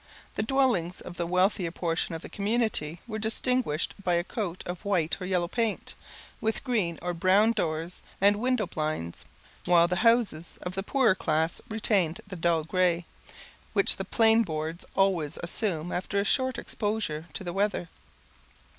The dwellings of the wealthier portion of the community were distinguished by a coat of white or yellow paint, with green or brown doors and window blinds; while the houses of the poorer class retained the dull grey, which the plain boards always assume after a short exposure to the weather.